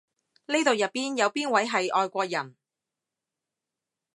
呢度入邊有邊位係外國人？